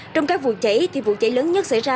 trong các vụ cháy thì vụ cháy lớn nhất xảy ra